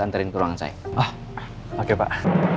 anterin ke ruangan saya oh oke pak